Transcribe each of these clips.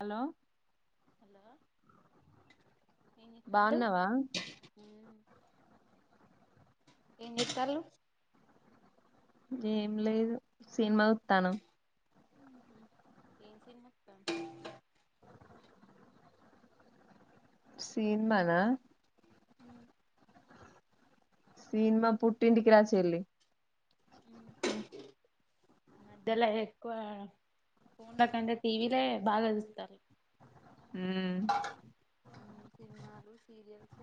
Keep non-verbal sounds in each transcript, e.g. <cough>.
Hello hello ఏం జేత్తాల్లు బాగున్నావా ఏం జేత్తాల్లు ఏం లేదు సినిమా జూత్తానాం ఊహూ ఏం సినిమక్క సీన్మా నా ఊ సీన్మా పుట్టింటికి రా చెల్లి ఊహూ మధ్యలో ఎక్కువ ఫోన్లో కంటే టీ వీ లే బాగా చూస్తారు ఉమ్, ఉమ్ సినిమాలు సీరియల్స్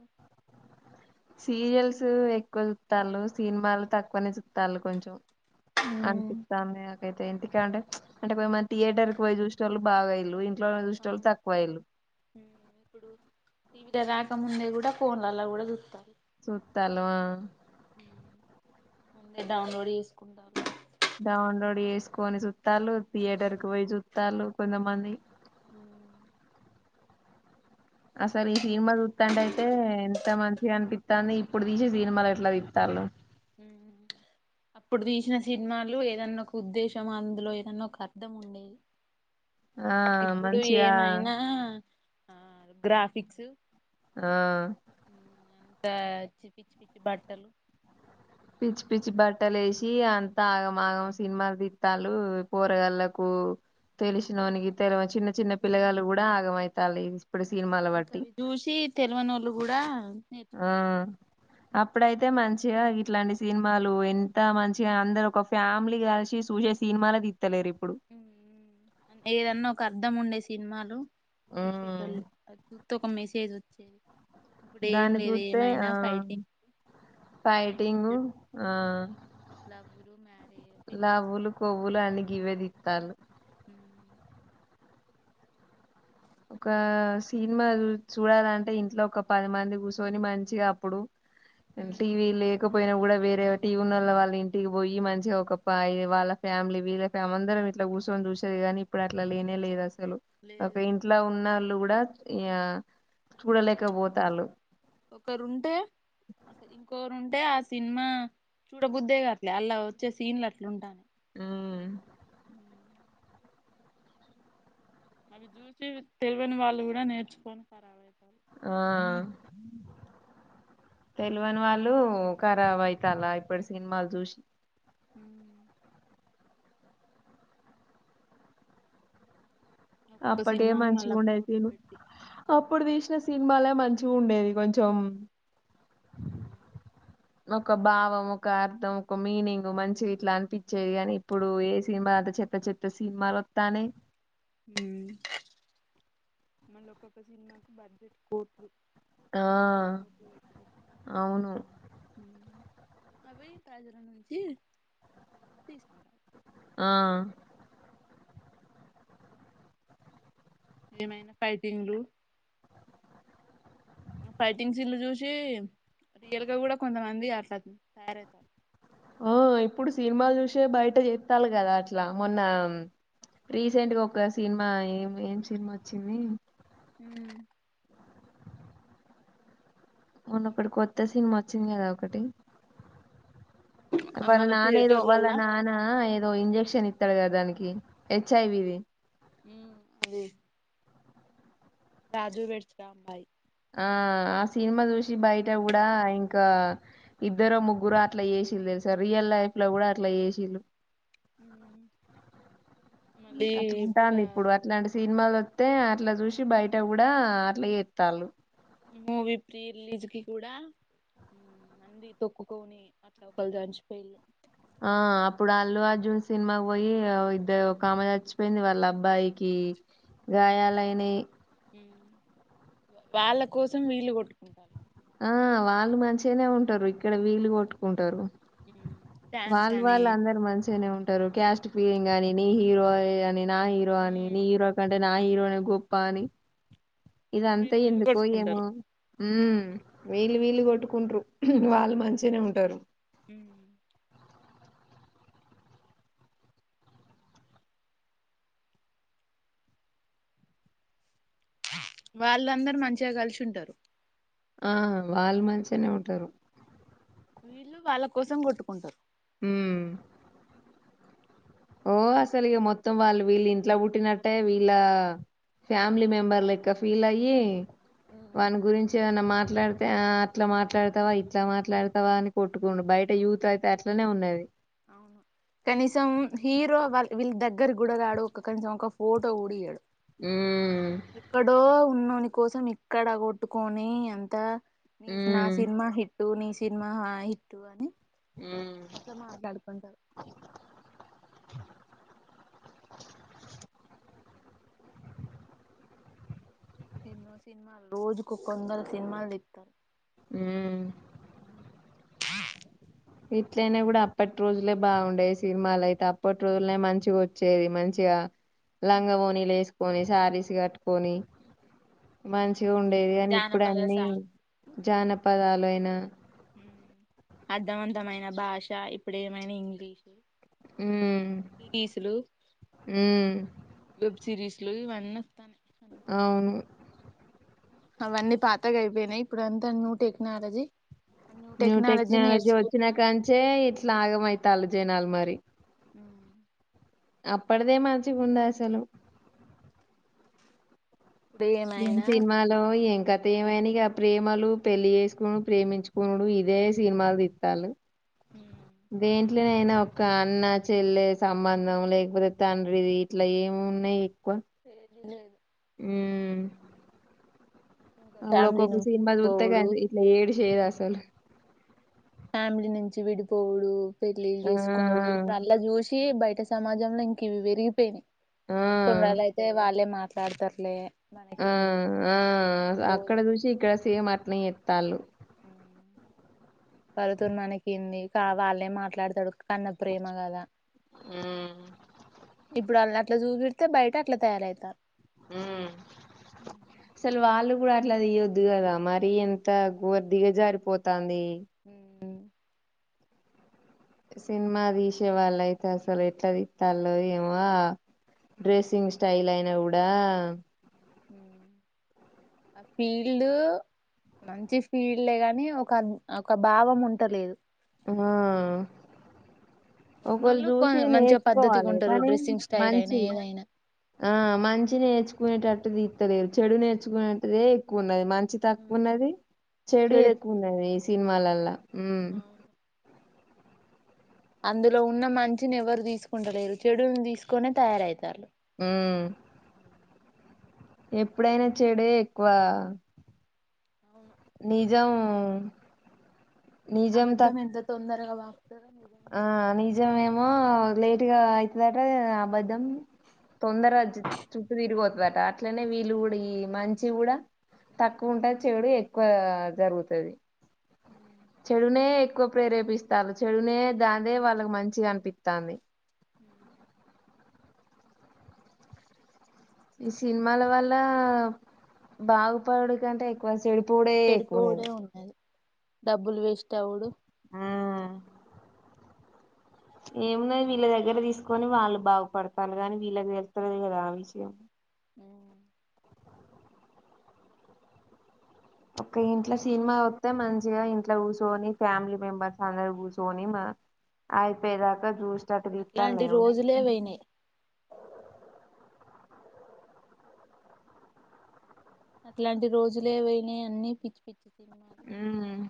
సీరియల్స్ ఎక్కువ చుతాలుు సినిమాలు తక్కువనే చుతాలు కొంచెం అన్పిత్తాంది <inaudible> ఇగ ఇంటికాడుంటే అంటే <unintelligible> మంది థియేటర్ క పోయి చూసేటోళ్ళు బాగా అయ్యిర్రు ఇంట్లో నా చూసేటోళ్ళు అవును తక్కువ అయ్యింది టి వి ధ రాకముందే కూడా ఫోన్లాళ్ళ కూడా చూతారు చూత్తను ముందే డౌన్లోడ్ చేసుకుంటారు డౌన్లోడ్ చేసుకొని చుత్తళ్ళు థియేటర్ కి పోయి చుత్తాలు కొంతమంది మ్మ్ అసలు ఈ సినిమా సుత్తంటే అయితే ఎంత మంచిగా అనిపిత్తంది ఇప్పుడు తీసి సినిమాలు ఎట్లా తితారు అప్పుడు తీసిన సినిమాలు ఏదన్నా ఒక ఉద్దేశం అందులో ఏదన్న ఒక అర్థం ఉండేది ఆ ఇప్పుడు మంచిగా ఏమైనా ఆ గ్రాఫిక్స్ ఆ అంతచ్చి పిచ్చి పిచ్చి బట్టలు పిచ్చి పిచ్చి బట్టలు వేసి అంత ఆగం ఆగం సినిమా దిట్టాలు కూరగాళ్లకు తెలిసినవనికి తెల చిన్న చిన్న పిల్లగాలు కూడా ఆగమయితాల ఇంకా అవి చూసి తెలివన వాళ్ళు కూడా ఆ నేర్చుకుంటారు అప్పుడైతే అంత మంచిగా ఇట్లాంటి సినిమాలు ఎంత మంచిగా అందరు ఒక ఫ్యామిలీ కలిసి చూసే సినిమాలు ఏదన్నా ఒక అర్ధం ఉండేసి సినిమాలు ఉమ్ షర్టలు త క మీసేది వచ్చేది ఇప్పుడు ఏం దాన్ని లేవు ఏమైనా ఫైటింగ్ ఫైటింగ్ ప్రేమించుడు ఆ లవ్వులు మ్యారేజ్ పెళ్లి లావులు చేసుకో కొవ్వులు అన్న గ ఇవేది తారు ఒక సినిమా చూడాలంటే ఇంట్లో ఒక పది మంది కూర్చొని మంచిగా అప్పుడు టీవీ లేకపోయినా కూడా వేరే టీ ఉన్ళ్ళ వాళ్ళ ఇంటికి పోయి మంచిగా ఒకప్ప అ వాళ్ళ ఫ్యామిలీ వీళ్ళ ఫ్యా అందరం ఇట్లా కూర్చొని చూసేది కాగానీ ఇప్పుడు అట్లా లేనే లేదు అస చక లేదు ఉు కూడా చూడలే ఒకరుంటే అస ఇంకో ఉంటే ఆ సినిమా చూడబుద్ద్దేగా అట్లే అలా వచ్చే సీన్లు అట్లు ఉంటాను ఉమ్ హ అవి చూసి తెలియని వాళ్ళు కూడా నేర్చుకొని ఫర్వవుతారు ఆ తెలివని వాళ్ళు ఖరాబ్ అయితలాా ఇప్పుడు సినిమాలు చూసి హ ఒక్కొక్క అప్పటిే సినిమాను మంచిగా మళ్ళా ఉండయి కోట్లు తను పెట్టి అప్పుడు తీేసిన సినిమాలే మంచి ఉండేది కొంచెం ఒక భావం ఒక అర్థం ఒక మీనింగ్ మంచి ఇట్లా అనిపించేది కాని ఇప్పుడు ఏ సినిమా అంత చెత్త చెత్త సినిమాలు వస్తానే మళ్ళీ ఒక్కొక్క సినిమాకు బడ్జెట్ కోట్లు ఆ అల పో పో వయిటి అవును అవ ప్రజల నుంచి తీసుకుంటయి ఆ ఏమైనా ఫైటింగ్లు ఫైటింగ్ సీన్లు చూసి రియల్గా కూడా కొంతమంది ఆట్లాంది తయారవుతారు ఓ ఇప్పుడు సినిమాలు చూసే బయట చెత్తలు కదా అట్లా మొన్న రీసెంట్గా ఒక సినిమా ఏం ఏం సినిమా వచ్చింది మొన్న ఒక్కటి కొత్త సినిమా వచ్చింది కదా ఒకటి వాళ్ళ మళ్ళ నాన్న ఏదో వాళ్ళ థియేటర్లలా నానా ఇ దో ఇంజక్షన్ ఇత్తడు కదా దానికి హెచ్ ఐ వి ది మ్మ్ అదే రాజు వెడ్స్ రాంబాయి ఆ ఆ సినిమా చూసి బయట కూడా ఇంకా ఇద్దరు ముగ్గురో అట్ల చేసిళు తెలుసా రియల్ లైఫ్ లో కూడా అట్లా చేసిళు మ్మ్ అట్లా ఉంటాంది ఇప్పుడు అట్లాంటి సీన్ సినిమాలు వత్తే అట్లా చూసి బయట కూడా అట్లా చేత్తాళ్ళు మూవీ ప్రీ రిలీజ్ కి కూడా <unintelligible> మంది తొక్కుకొని అట్లా ఒకళు చచ్చిపోయిళు ఆ అప్పుడు అల్లు అర్జున్ సినిమాకి పోయి ఇద్దరు ఒకామె చచ్చిపోయింది వాళ్ళ అబ్బాయికి గాయాలయినై ఉమ్ వాళ్ళ కోసం వీళ్ళు కొట్టుకుంటారు ఆ వాళ్ళు మంచిగానే ఉంటారు ఇక్కడ వీళ్ళు కొట్టుకుంటారు డాన్స్ వాళ్ళ అని వాళ్ళు అందరూ మంచిగానే ఉన్ టరు క్యాస్ట్ ఫీలింగ్ అని నీ హీరో అది ఇది అని నా హీరో అని నీ హీరో కంటే నా హీరో నే గొప్ప అని ఇదంతా వీళ్ళు వీళ్ళు ఎందుకో ఏమో కొట్టుకుంటారు ఉమ్ వీళ్ళు వీళ్లు కొట్టుకుంట్రు వాళ్ళు మంచిగానే ఉంటారు ఉమ్ వాళ్ళందరూ మంచిగా కలిసి ఉంటారు ఆ వాళ్ళు మంచిగానే ఉంటారు వీళ్ళు వాళ్ళ కోసం కొట్టుకుంటారు హుమ్మ్ ఓ అసలు ఇక మొత్తం వాళ్ళు వీళ్ళింట్ల పుట్టినట్టే వీళ్ళ ఫ్యామిలీ మెంబర్లు లెక్క ఫీల్ అయ్యి వాని గురించి ఏమన్నా మాట్లాడితే ఆ అట్లా మాట్లాడతావా ఇట్లా మాట్లాడతావా అని కొట్టుకొనుడు బయట యూత్ అయితే అట్లనే ఉన్నది అవును కనీసం హీరో వా వీళ్ళ దగ్గర గుడరాడు ఒక కనీసం ఒక ఫోటో గూడ ఇయ్యడు ఉమ్ ఎక్కడో ఉన్నోని కోసం ఇక్కడ కొట్టుకోని అంత నీస్ నా ఉమ్ సినిమా హి టూ నీ సినిమా హా హిట్టు అని ఉమ్ పంటారు ఎన్నో సినిమాలు రోజుకు కొందరు సినిమాలు దీత్తారు ఊ ఇట్లయినా కూడా అప్పటి రోజులే బాగుండేది సినిమాలయితే అప్పటి రోజులనే మంచిగొచ్చేది మంచిగా లంగా ఓని లేస్కొనే సారీస్ కట్టుకొని. మంచిగా మంచి ఉండేది అనీ ఇప్పుడే జానపద అన్ని సాంగ్ జానపదాలు అయినాయి హు. హు అర్ధవంతమైన భాష ఇప్పుడు ఏమైనా హిందీ ఉమ్ ఇ పీసులు ఉమ్ లు సిరీస్ లో ఇవన్నీ వొత్తనై అవును అవన్నీ పాతగ అయిపోయినాయి. ఇప్పుడు అంతా న్యూ టెక్నాలజీ న్యూ టెక్నాలజీ వచ్చినాకంచే ఇట్లాగమ్ అయితాలు జనాలు మరి. ఉ అప్పడదే మంచి గుండె అసలు. ఇప్పుడు ఏం ఏమైనా సినిమాలో ఏం గతే ఏమైన ఇక ప్రేమలు పెళ్ళి చేసుకును. ప్రేమించుకునుడు.. ఇదే సినిమాలు తీతారు. దేన్ ఇట్లనైనా ఒక అన్న చెల్లె సంబంధం లేకపోతే తండ్రిది ఇట్లా ఏమి ఉన్నాయి. <unintelligible> ఏం లేదు ఊమ్ ఇంకా అల ఒక ఫ్యామిలీ ఒక నుంచి సిన్మా సుత్తే విడిపోవుడు కానీ ఇట్లా ఏడ్చేసిది అసల్ అసల్ ఫ్యామిలీ నుంచి విడిపోవుడు. పెళ్లిళ్లు ఆ చేసుకునుడు ఇప్పుడు అల్లా చూసి బయట్. అంటే సమాజంలో ఇంక ఇవి విరిగిపోనయి ఆ కొన్ని రోజుల అయితే వాళ్ళే మాట్లా. తగుతర్లే ఆ ఆ అక్కడ పోదాం చూసి ఇక్కడ చూస్ సేమ్ అట్నే చెత్తాన్లు. ఉ వాళ్లతో మనకెంది కా వాళ్ళే మాట్లాడతడు. అన్న ప్రేమగాదా ఇప్ప్. ఉమ్ ఇప్పుడు వాళ్ని అట్లా చూపిడితే బయట అట్ల తయారయితారు. ఊ అసల్ వాళ్లు. ప్పు అట్లా దియొద్దు కదా మరి ఎంత గోర్దిిగ దిగ జారిపోతుంది. ఉ సినిమా తీసే వాళ్ళ అయితే అసలు ఎట్లా తీస్తాలో ఏమో డ్రెస్సింగ్ స్టైల్ అయినా కూడా. ఆ ఫీల్డ్ మంచి ఫీల్డ్డె కాని ఒక ఒక భావం ఉంటలేదు. ఆ ఒకళు ఉన్నోళ్ళు కొ చూసి మంచిగా పద్ధతిగా నేర్చుకోవాలి ఉంటారు కానీ డ్రెస్సింగ్ స్టైల్ అయినా మంచి ఏదైనా ఆ మంచి నేర్చుకునేటట్టు. దితలేరు చెడు నేర్చుకునేటిదే ఎక్కువ ఉన్నది మంచి. మంచి తక్కువున్నది చెడు ఎక్కువ ఉన్నది ఈ సినిమాల అలా. అవును. అందులో ఉన్న మంచిని ఎవరు తీసుకుంటలేరు చెడుని తీసుకొనే తయారయితాండు. హ్మ్ ఎప్పుడైనా చెడే ఎక్కువ. అవును నిజ్ జము అబద్ధం ఎంత తొందరగా అ ఆ నిజమేమో ఆ లేట్గా అయిద్దట అబద్ధం తొందర జి చుట్టు తిరుగొతదట అట్లనే వీళ్ళు కూడా ఈ మంచి కూడా తక్కువ ఉంటది చెడు ఎక్కువ జరుగుతది చెడునే ఎక్కువ ప్రేరేపిస్తారు చెడునే దాందే వాళ్ళకి మంచిగా అనిపిత్తాంది అ ఈ సినిమాల వల్ల బాగుపడుడు కంటే ఎక్కువ చెడు ప్పుడే ఎక్కువైంది చెడిపోవుడే ఉన్నది డబ్బులు వేస్ట్ అవుడు ఆ ఏమున్నది వీళ్ళ దగ్గర తీసుకొని వాళ్ళు బాగుపడతాన్రూ కానీ వీళ్ళకి తెలుత్తలేదు కదా ఆ విషయం ఒక ఇంట్లో సినిమా వత్తే మంచిగా ఇంట్లో కూర్చొని ఫ్యామిలీ మెంబర్స్ అందరు కూర్చొని మా అయిపోయేదాకా చూస్ స్టట్ అట్లాంటి దిత్తాన్ను రోజులే పోయినాయి <unintelligible> అట్లాంటి రోజులే పోయినాయి అన్ని పిచ్చి పిచ్చి <inaudible> ఉమ్